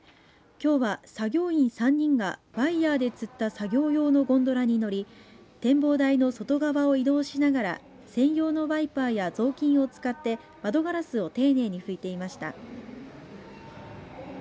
きょうは作業員３人がワイヤーで吊った作業用のゴンドラに乗り展望台の外側を移動しながら専用のワイパーやぞうきんを使って窓ガラスを丁寧にふいていました。